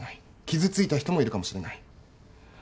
傷ついた人もいるかもしれない。